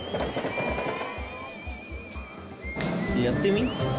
やってみ？